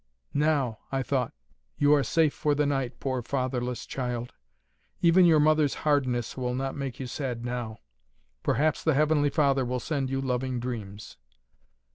"Now," I thought, "you are safe for the night, poor fatherless child. Even your mother's hardness will not make you sad now. Perhaps the heavenly Father will send you loving dreams."